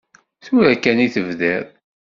Tura kan i tebdiḍ.